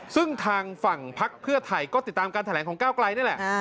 ซึ่งทางฝั่งพักเพื่อไทยก็ติดตามการแถลงของก้าวไกลนี่แหละ